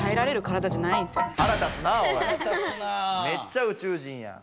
めっちゃ宇宙人やん。